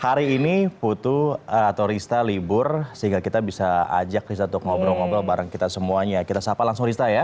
hari ini putu atau rista libur sehingga kita bisa ajak rista untuk ngobrol ngobrol bareng kita semuanya kita sapa langsung rista ya